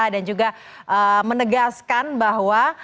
dan juga menegaskan bahwa